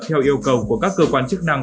theo yêu cầu của các cơ quan chức năng